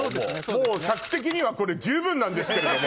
もう尺的にはこれ十分なんですけれども。